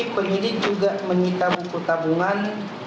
penyidik juga menyita buku tabungan